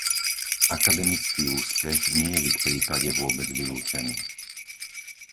Akademický úspech nie je v ich prípade vôbec vylúčený.